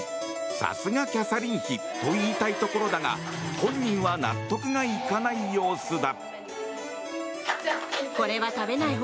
さすがキャサリン妃と言いたいところだが本人は納得がいかない様子だ。